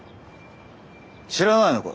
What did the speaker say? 知らないのか？